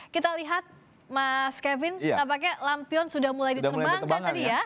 kita lihat mas kevin tampaknya lampion sudah mulai diterbangkan tadi ya